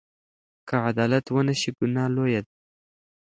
که عدالت ونشي، ګناه لویه ده.